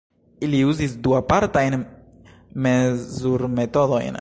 Ili uzis du apartajn mezurmetodojn.